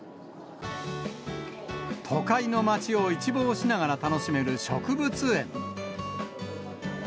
都会の街を一望しながら楽しめる植物園。